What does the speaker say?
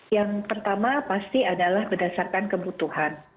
yang pertama pasti adalah berdasarkan kebutuhan